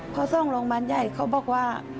พอส่งโรงบาณใยเขาบอกว่า